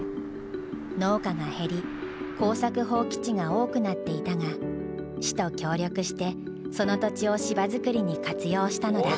農家が減り耕作放棄地が多くなっていたが市と協力してその土地を芝作りに活用したのだ。